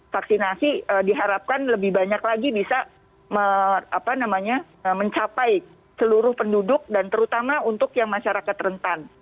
vaksinasi diharapkan lebih banyak lagi bisa mencapai seluruh penduduk dan terutama untuk yang masyarakat rentan